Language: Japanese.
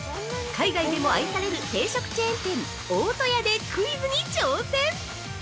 海外でも愛される定食チェーン店「大戸屋」でクイズに挑戦！